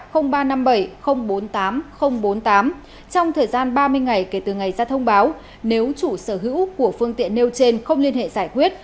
trong thời gian ba mươi ngày kể từ ngày ra thông báo nếu chủ sở hữu của phương tiện nêu trên không liên hệ giải quyết